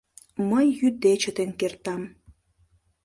Мый йӱде чытен кертам.